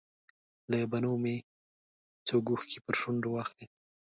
له بڼو به مې څوک اوښکې پر شونډه واخلي.